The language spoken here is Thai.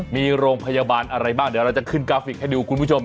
มีโรงพยาบาลอะไรบ้างเดี๋ยวเราจะขึ้นกราฟิกให้ดูคุณผู้ชม